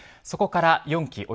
そこから４期